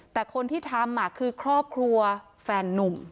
แต่คนที่ทำคือครอบครัวแฟนนุ่ม